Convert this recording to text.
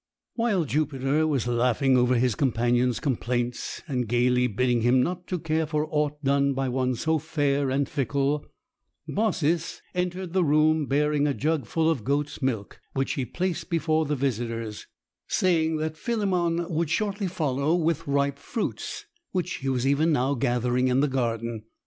Whilst Jupiter was laughing over his companion's complaints, and gaily bidding him not to care for aught done by one so fair and fickle, Baucis entered the room, bearing a jug full of goat's milk, which she placed before the visitors, saying that Philemon would shortly follow with ripe fruits, which he was even now gathering in the garden.